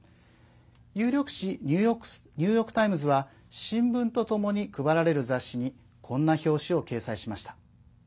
有力紙ニューヨーク・タイムズは新聞とともに配られる雑誌にこんな表紙を掲載しました。